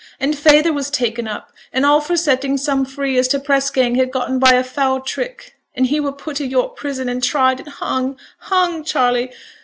'And feyther was taken up, and all for setting some free as t' press gang had gotten by a foul trick; and he were put i' York prison, and tried, and hung! hung! Charley!